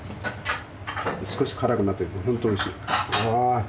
少し辛くなってるけど本当おいしい。